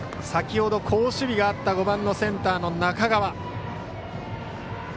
先ほど好守備があった５番のセンターの中川。